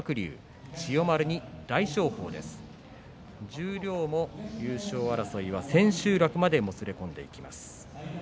十両優勝争いは千秋楽までもつれ込んでいきます。